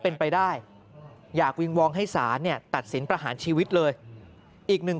เป็นไปได้อยากวิงวองให้ศาลเนี่ยตัดสินประหารชีวิตเลยอีกหนึ่ง